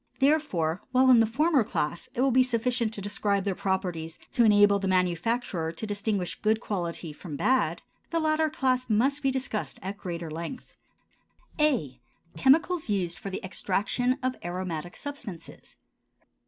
Therefore, while in the former class it will be sufficient to describe their properties to enable the manufacturer to distinguish good quality from bad, the latter class must be discussed at greater length. A. Chemicals used for the Extraction of Aromatic Substances.